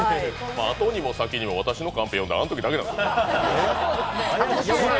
あとにも先にも私のカンペ読んだのあのときだけ。